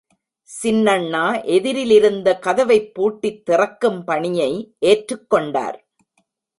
சின்னண்ணா எதிரிலிருந்த கதவைப் பூட்டித் திறக்கும் பணியை ஏற்றுக்கொண்டார்.